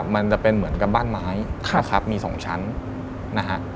มันจะเป็นเหมือนกับบ้านไม้นะครับมีสองชั้นนะฮะ